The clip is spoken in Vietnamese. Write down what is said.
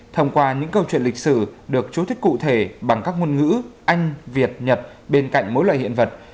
thông qua những câu chuyện lịch sử được chú thích cụ thể bằng các ngôn ngữ anh việt nhật bên cạnh mỗi loại hiện vật